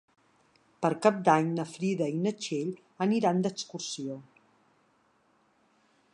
Per Cap d'Any na Frida i na Txell aniran d'excursió.